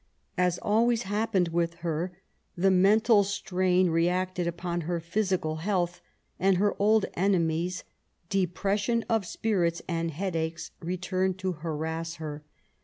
As always happened with her, the mental 8 114 MART W0LL8T0NECBAFT GODWIN. strain reacted upon her physical healthy and her old enemies^ depression of spirits and headaches, returned to harass her.